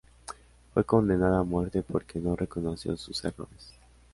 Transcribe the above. Fue condenada a muerte porque no reconoció sus errores.